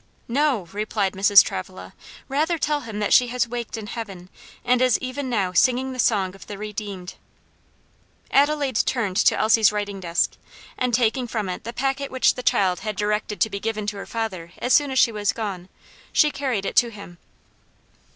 "No!" replied Mrs. Travilla, "rather tell him that she has waked in heaven, and is even now singing the song of the redeemed." Adelaide turned to Elsie's writing desk, and taking from it the packet which the child had directed to be given to her father as soon as she was gone, she carried it to him.